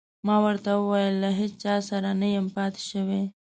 ما ورته وویل: له هیڅ چا سره نه یم پاتې شوی.